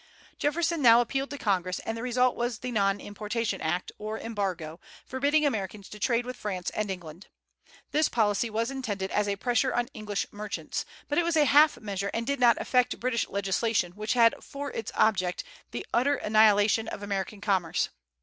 Jefferson now appealed to Congress, and the result was the Non importation Act, or Embargo, forbidding Americans to trade with France and England. This policy was intended as a pressure on English merchants. But it was a half measure and did not affect British legislation, which had for its object the utter annihilation of American commerce.